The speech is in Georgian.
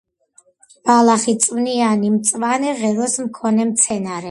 ბალახი-წვნიანი, მწვანე ღეროს მქონე მცენარე.